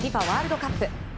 ワールドカップ。